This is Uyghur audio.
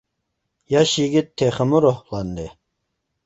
ياش يىگىت تېخىمۇ روھلاندى.